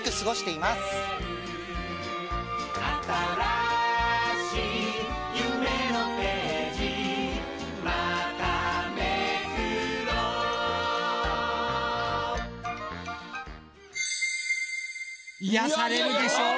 いやされるでしょう。